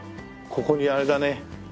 ここにあれだね。